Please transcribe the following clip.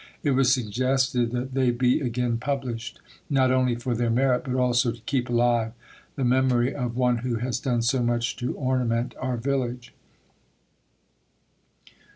it was suggested that they be again published, not only for their merit, but also to keep alive the memory of one who has done so much to ornament our village.